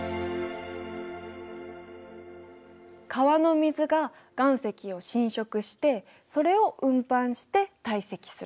川の水が岩石を侵食してそれを運搬して堆積する。